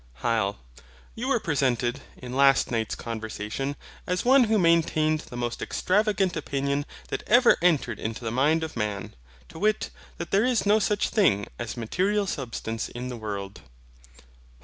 HYL. You were represented, in last night's conversation, as one who maintained the most extravagant opinion that ever entered into the mind of man, to wit, that there is no such thing as MATERIAL SUBSTANCE in the world.